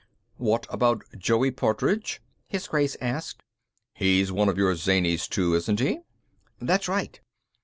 "What about Joey Partridge?" His Grace asked. "He's one of your zanies, too, isn't he? "That's right.